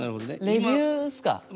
レビューっすか要は。